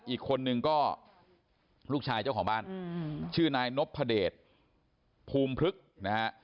อีกคนนึงก็ลูกชายเจ้าของบ้านชื่อนายนพเดชภูมิพลึกนะฮะ